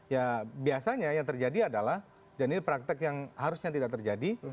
ya biasanya yang terjadi adalah dan ini praktek yang harusnya tidak terjadi